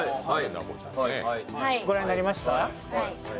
ご覧になりました？